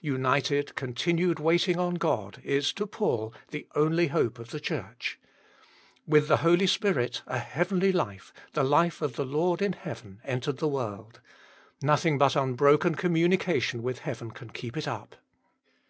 United, continued waiting on God is to Paul the only hope of the Church. With the Holy Spirit a heavenly life, the life of the Lord in heaven, entered the world ; nothing but unbroken communication with heaven can keep it up.